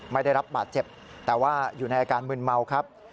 ไม่ได้รับบาดเจ็บแต่ว่าอยู่ในอาการมึนเมาครับ